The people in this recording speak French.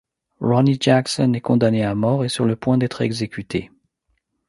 Ronnie Jackson est condamné à mort et sur le point d'être exécuté.